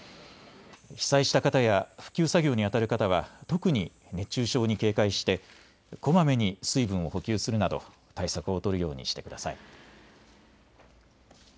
被災した方や復旧作業にあたる方は特に熱中症に警戒してこまめに水分を補給するなど対策を取るようにしてください。